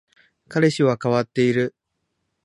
彼氏は変わっている